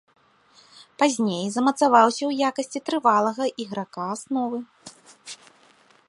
Пазней замацаваўся ў якасці трывалага іграка асновы.